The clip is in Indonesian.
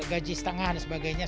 gaji setengah dan sebagainya